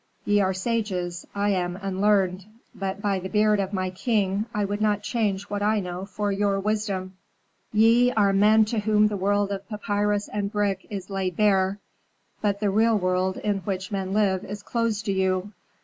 Ye are sages, I am unlearned; but by the beard of my king, I would not change what I know for your wisdom. Ye are men to whom the world of papyrus and brick is laid bare; but the real world in which men live is closed to you.